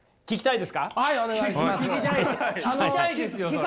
聞きたいですよ